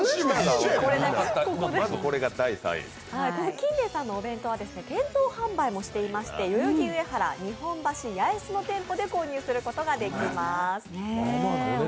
金兵衛さんのお弁当は店頭販売もしていまして代々木上原、日本橋、八重洲の店舗で購入することができます。